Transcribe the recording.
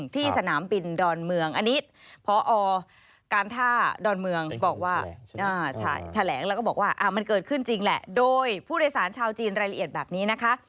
แถลงแล้วก็บอกว่ามันเกิดขึ้นจริงแหละโดยผู้โดยสารชาวจีนรายละเอียดแบบนี้นะคะ